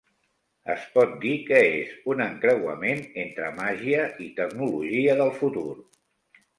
Es pot dir que és un encreuament entre màgia i tecnologia del futur.